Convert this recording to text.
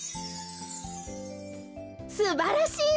すばらしいわ！